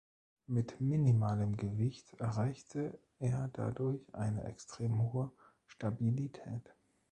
Mit minimalem Gewicht erreichte er dadurch eine extrem hohe Stabilität.